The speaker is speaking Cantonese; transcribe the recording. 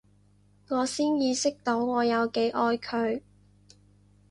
我先意識到我有幾愛佢